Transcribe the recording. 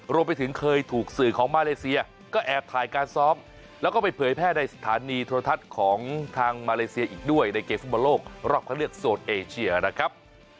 รวมไปถึงเคยถูกสื่อของมาเลเซียก็แอบถ่ายการซ้อมแล้วก็ไปเผยแพร่ในสถานีโทรทัศน์ของทางมาเลเซียอีกด้วยในเกมฟุตบอลโลกรอบเข้าเลือกโซนเอเชียนะครับ